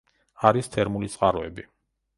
არის თერმული წყაროები.